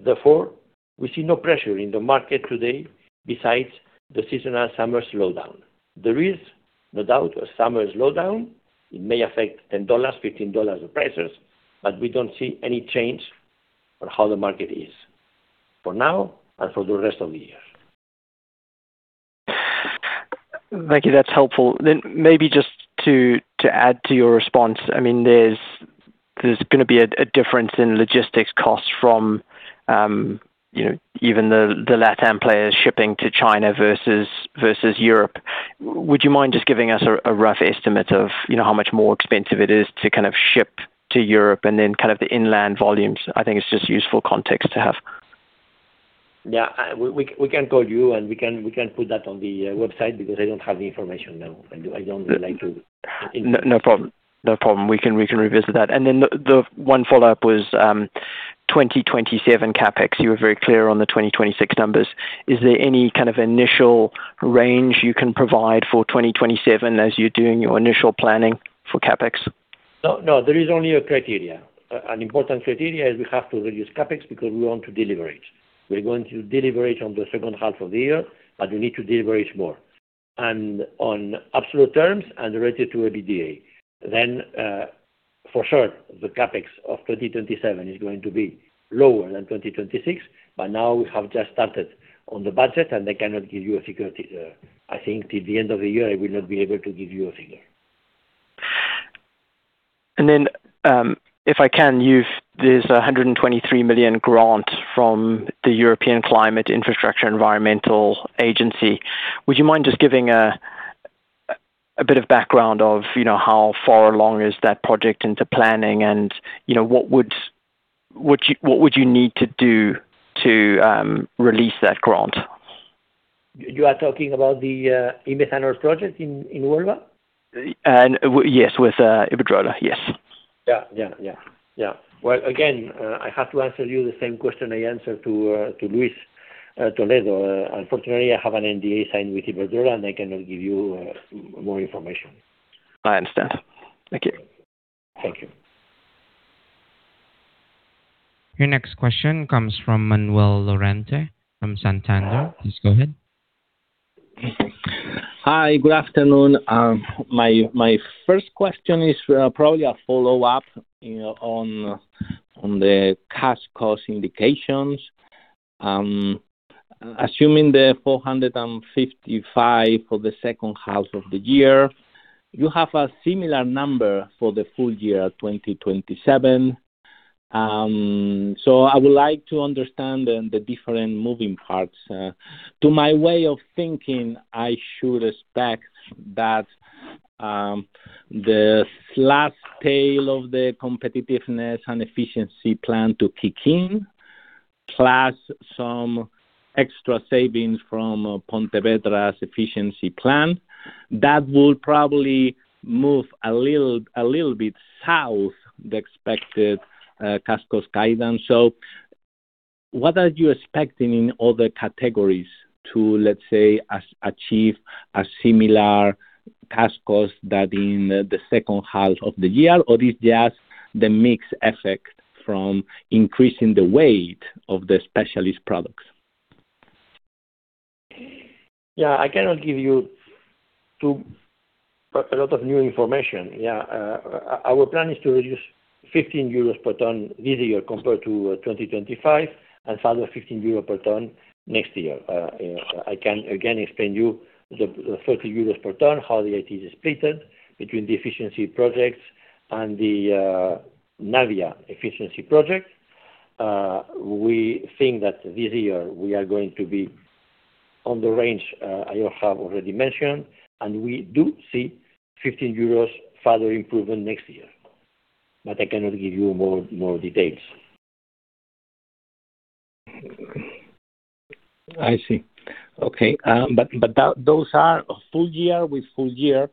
Therefore, we see no pressure in the market today besides the seasonal summer slowdown. There is, no doubt, a summer slowdown. It may affect $10, $15 of prices, but we don't see any change on how the market is for now and for the rest of the year. Thank you. That's helpful. Maybe just to add to your response, there's going to be a differEnce in logistics costs from even the LatAm players shipping to China versus Europe. Would you mind just giving us a rough estimate of how much more expensive it is to ship to Europe and then the inland volumes? I think it's just useful context to have. Yeah. We can call you, and we can put that on the website because I don't have the information now. No problem. We can revisit that. The one follow-up was 2027 CapEx. You were very clear on the 2026 numbers. Is there any kind of initial range you can provide for 2027 as you're doing your initial planning for CapEx? No, there is only a criteria. An important criteria is we have to reduce CapEx because we want to de-leverage. We're going to de-leverage on the second half of the year, but we need to de-leverage more, and on absolute terms and related to EBITDA. For sure, the CapEx of 2027 is going to be lower than 2026. Now we have just started on the budget, and I cannot give you a figure. I think till the end of the year, I will not be able to give you a figure. If I can, there's 123 million grant from the European Climate, Infrastructure and Environment Executive Agency. Would you mind just giving a bit of background of how far along is that project into planning and what would you need to do to release that grant? You are talking about the e-methanol project in Huelva? Yes, with Iberdrola. Yes. Well, again, I have to answer you the same question I answered to Luis de Toledo. Unfortunately, I have an NDA signed with Iberdrola, and I cannot give you more information. I understand. Thank you. Thank you. Your next question comes from Manuel Lorente from Santander. Please go ahead. Hi. Good afternoon. My first question is probably a follow-up on the cash cost indications. Assuming the 455 for the second half of the year, you have a similar number for the full year 2027. I would like to understand the different moving parts. To my way of thinking, I should expect that the last tail of the competitiveness and efficiency plan to kick in, plus some extra savings from Pontevedra's efficiency plan, that will probably move a little bit south, the expected cash cost guidance. What are you expecting in other categories to, let's say, achieve a similar cash cost that in the second half of the year, or is this just the mix effect from increasing the weight of the specialist products? I cannot give you a lot of new information. Our plan is to reduce 15 euros per ton this year compared to 2025, and further 15 euros per ton next year. I can, again, explain you the 30 euros per ton, how it is split between the efficiency projects and the Navia efficiency project. We think that this year we are going to be on the range I have already mentioned, and we do see 15 euros further improvement next year. I cannot give you more details. I see. Okay. Those are full year with full year,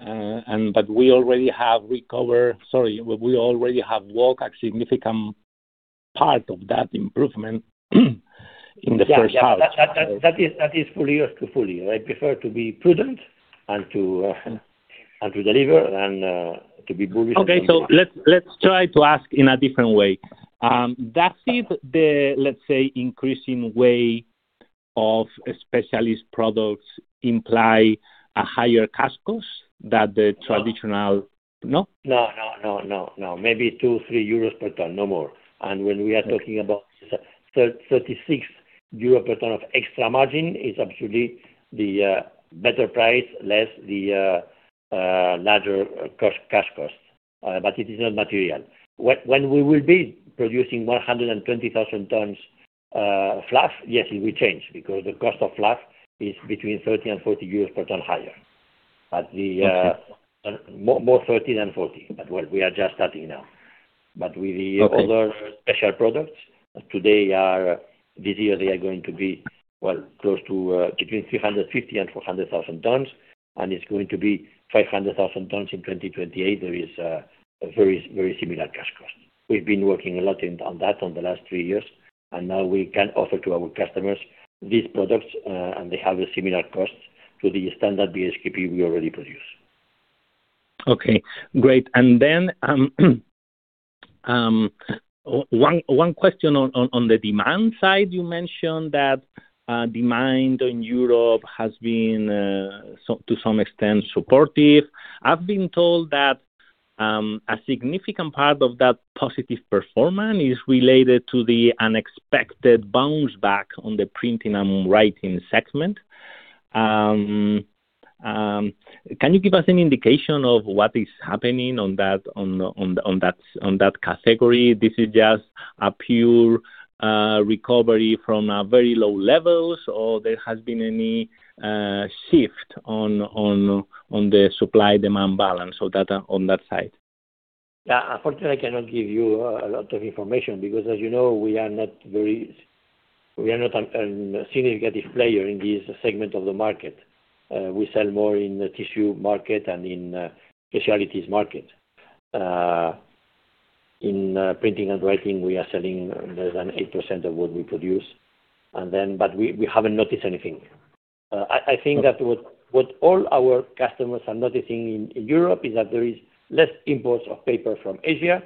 but we already have walked a significant part of that improvement in the first half. That is full year to full year. I prefer to be prudent and to deliver than to be bullish. Okay. Let's try to ask in a different way. Does the, let's say, increasing way of specialist products imply a higher cash cost than the traditional- No. No? No. Maybe 2, 3 euros per ton, no more. When we are talking about 36 euros per ton of extra margin, it is absolutely the better price, less the larger cash cost. It is not material. When we will be producing 120,000 tons fluff, yes, it will change, because the cost of fluff is between 30 and 40 euros per ton higher. More 30 than 40, we are just starting now. With the other special products, this year they are going to be between 350,000 and 400,000 tons, and it is going to be 500,000 tons in 2028. There is a very similar cash cost. We have been working a lot on that on the last three years, and now we can offer to our customers these products, and they have a similar cost to the standard BSKP we already produce. Okay, great. One question on the demand side. You mentioned that demand in Europe has been, to some extent, supportive. I have been told that a significant part of that positive performance is related to the unexpected bounce back on the printing and writing segment. Can you give us an indication of what is happening on that category? This is just a pure recovery from very low levels, there has been any shift on the supply-demand balance on that side? Yeah. Unfortunately, I cannot give you a lot of information because, as you know, we are not a significant player in this segment of the market. We sell more in the tissue market and in specialties market. In printing and writing, we are selling less than 8% of what we produce. We haven't noticed anything. I think that what all our customers are noticing in Europe is that there is less imports of paper from Asia,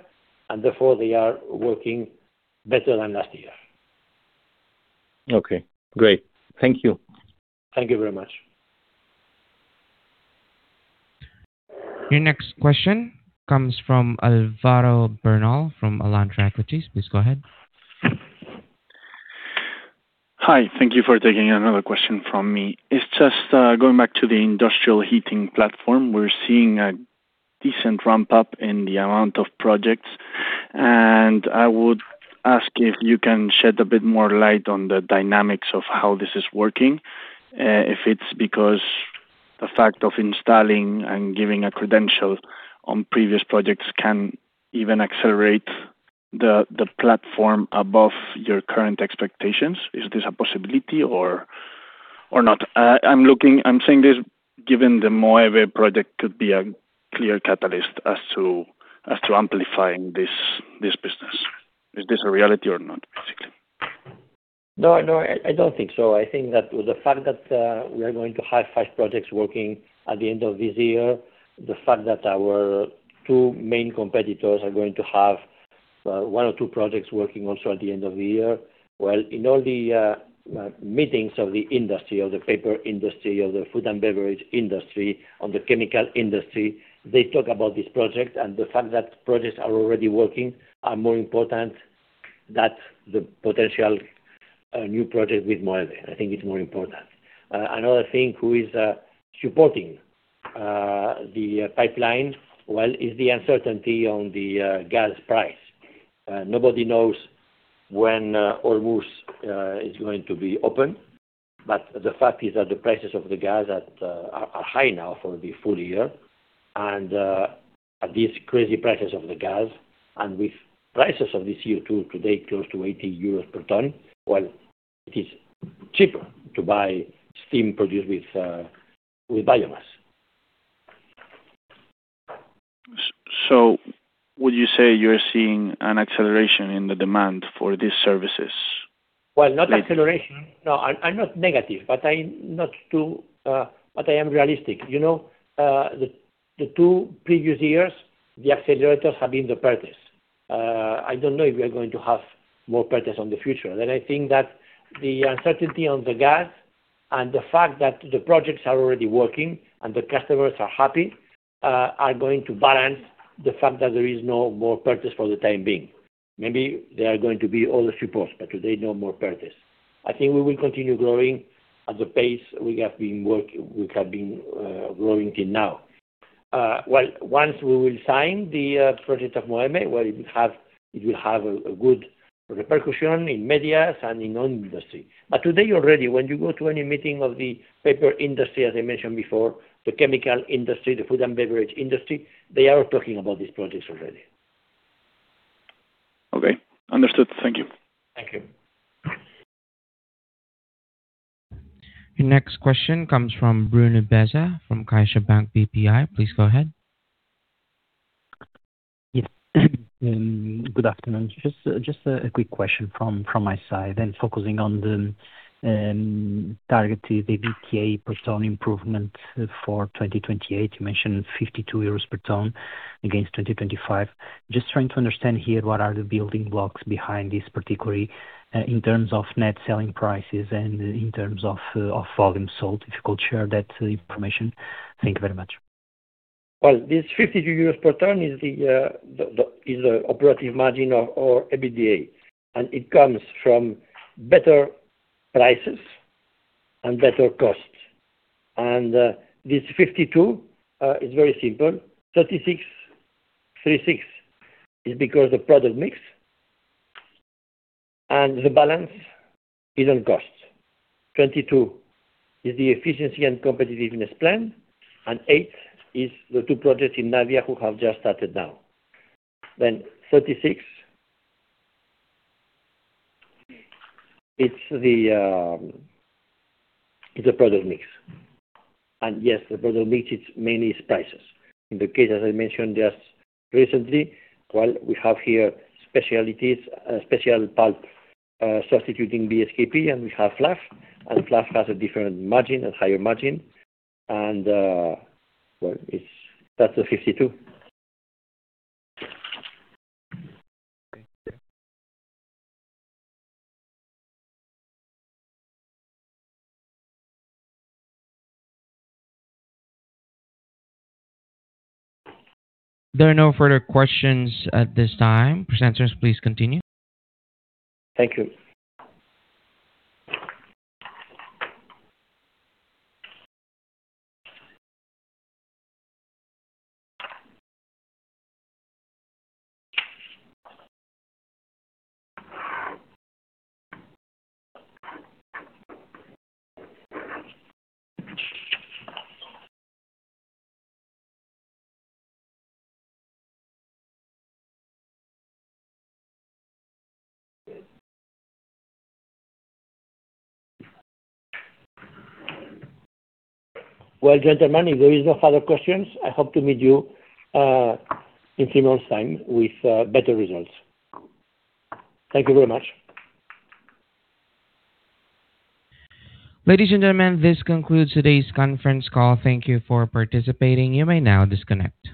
therefore they are working better than last year. Okay, great. Thank you. Thank you very much. Your next question comes from Álvaro Bernal from Alantra Equities. Please go ahead. Hi. Thank you for taking another question from me. It's just going back to the industrial heating platform. We're seeing a decent ramp-up in the amount of projects, I would ask if you can shed a bit more light on the dynamics of how this is working, if it's because the fact of installing and giving a credential on previous projects can even accelerate the platform above your current expectations. Is this a possibility or not? I'm saying this given the Moeve project could be a clear catalyst as to amplifying this business. Is this a reality or not, basically? No. I don't think so. I think that the fact that we are going to have five projects working at the end of this year, the fact that our two main competitors are going to have one or two projects working also at the end of the year. Well, in all the meetings of the industry, of the paper industry, of the food and beverage industry, of the chemical industry, they talk about these projects and the fact that projects are already working are more important. That's the potential new project with Moeve. I think it's more important. Another thing who is supporting the pipeline, well, is the uncertainty on the gas price. Nobody knows when Olmos is going to be open, but the fact is that the prices of the gas are high now for the full year and at these crazy prices of the gas, and with prices of this CO2 today close to 80 euros per ton, well, it is cheaper to buy steam produced with biomass. Would you say you're seeing an acceleration in the demand for these services? Well, not acceleration. No, I'm not negative, but I am realistic. The two previous years, the accelerators have been the PERTEs. I don't know if we are going to have more PERTEs on the future. I think that the uncertainty on the gas and the fact that the projects are already working and the customers are happy, are going to balance the fact that there is no more PERTEs for the time being. Maybe there are going to be other supports, but today, no more PERTEs. I think we will continue growing at the pace we have been growing till now. Well, once we will sign the project of Moeve, well, it will have a good repercussion in medias and in all industry. Today already, when you go to any meeting of the paper industry, as I mentioned before, the chemical industry, the food and beverage industry, they are talking about these projects already. Okay. Understood. Thank you. Thank you. Your next question comes from Bruno Bessa from CaixaBank BPI. Please go ahead. Yes. Good afternoon. Just a quick question from my side and focusing on the targeted EBITDA per ton improvement for 2028. You mentioned 52 euros per ton against 2025. Just trying to understand here, what are the building blocks behind this, particularly in terms of net selling prices and in terms of volume sold, if you could share that information. Thank you very much. This 52 euros per ton is the operative margin of EBITDA. It comes from better prices and better costs. This 52 is very simple, 36 is because the product mix and the balance is on costs. 22 is the efficiency and competitiveness plan, and 8 is the two projects in Navia who have just started now. 36, it's a product mix, and yes, the product mix, it's mainly prices. In the case, as I mentioned just recently, we have here specialties, special pulp, substituting BSKP, and we have fluff, and fluff has a different margin and higher margin. That's the EUR 52. Okay. Thank you. There are no further questions at this time. Presenters, please continue. Thank you. Gentlemen, if there is no further questions, I hope to meet you in three months' time with better results. Thank you very much. Ladies and gentlemen, this concludes today's conference call. Thank you for participating. You may now disconnect.